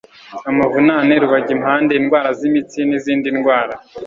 amavunane, rubagimpande, indwara z'imitsi, n'izindi ndwara,